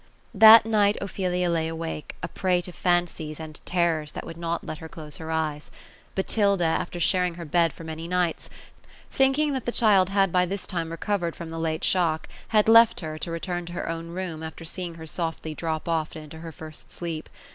That night, Ophelia lay awake, a prey to fancies and terrors that would not let her close her eyes. Botilda, after sharing her bed for many nights, thinking that the child had by this time recovered the late shock had left her, to return to her own room, after seeing her softly drop off into her first sleep.